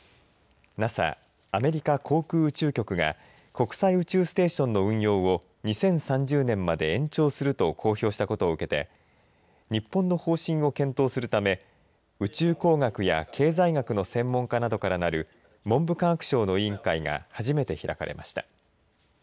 ＮＡＳＡアメリカ航空宇宙局が国際宇宙ステーションの運用を２０３０年まで延長すると公表したことを受けて日本の方針を検討するため宇宙工学や経済学の専門家などからなる文部科学省の委員会が初めて開かれました。